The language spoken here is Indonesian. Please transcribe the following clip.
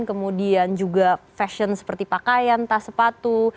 kemudian juga fashion seperti pakaian tas sepatu